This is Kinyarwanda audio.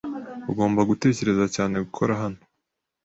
Ugomba gutekereza cyane gukora hano.